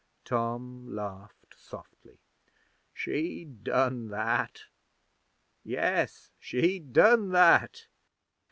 Tom laughed softly. 'She done that. Yes, she done that!